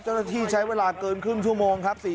เจ้าหน้าที่ใช้เวลาเกินครึ่งชั่วโมงครับ